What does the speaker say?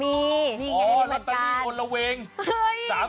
มีทำได้ครับ